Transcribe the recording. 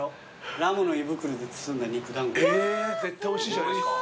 「ラムの胃袋で包んだ肉団子」え絶対おいしいじゃないですか。